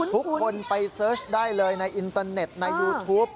ทุกคนไปเสิร์ชได้เลยในอินเตอร์เน็ตในยูทูป